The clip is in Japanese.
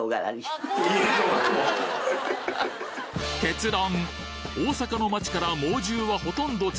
結論！